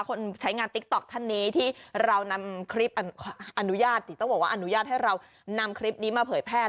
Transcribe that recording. คนใช้งานติ๊กต๊อกท่านนี้ที่เรานำคลิปอนุญาตสิต้องบอกว่าอนุญาตให้เรานำคลิปนี้มาเผยแพร่